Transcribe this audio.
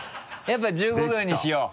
やっぱ１５秒にしよう。